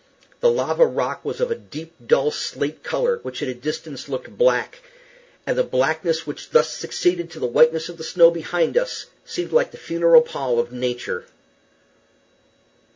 The lava rock was of a deep, dull slate color, which at a distance looked black; and the blackness which thus succeeded to the whiteness of the snow behind us seemed like the funeral pall of nature.